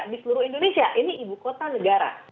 di seluruh indonesia ini ibu kota negara